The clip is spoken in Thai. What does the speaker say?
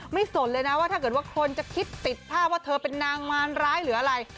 สนเลยนะว่าถ้าเกิดว่าคนจะคิดติดภาพว่าเธอเป็นนางมารร้ายหรืออะไร